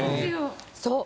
そう。